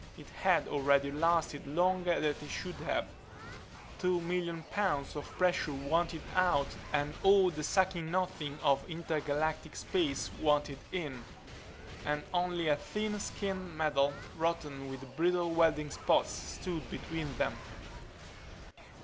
It had already lasted longer than it should have. Two million pounds of pressure wanted out and all the sucking Nothing of intergalactic space wanted in. And only a thin skin of metal, rotten with brittle welding spots, stood between them.